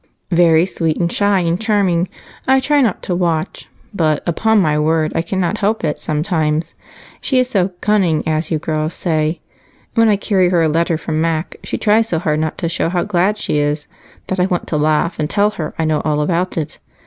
"Very sweet and shy and charming. I try not to watch but upon my word I cannot help it sometimes, she is so 'cunning,' as you girls say. When I carry her a letter from Mac she tries so hard not to show how glad she is that I want to laugh and tell her I know all about it.